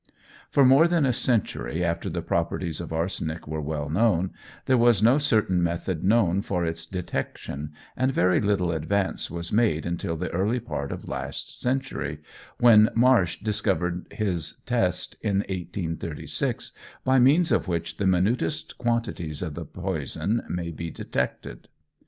For more than a century after the properties of arsenic were well known, there was no certain method known for its detection, and very little advance was made until the early part of last century, when Marsh discovered his test in 1836, by means of which the minutest quantities of the poison may be detected.